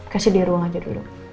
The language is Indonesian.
kasih di ruang aja dulu